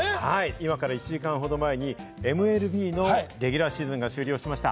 今から１時間ほど前にＭＬＢのレギュラーシーズンが終了しました。